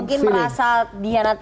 mungkin berasal dia nanti